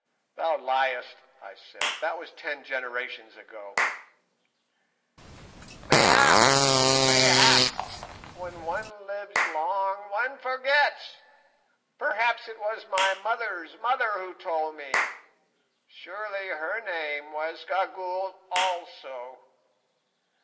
"Thou liest," I said, "that was ten generations gone." "Mayhap, mayhap; when one lives long one forgets. Perhaps it was my mother's mother who told me; surely her name was Gagool also.